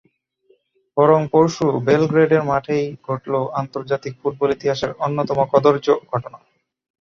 বরং পরশু বেলগ্রেডের মাঠেই ঘটল আন্তর্জাতিক ফুটবল ইতিহাসের অন্যতম কদর্য ঘটনা।